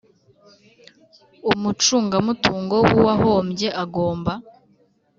umucungamutungo w uwahombye agomba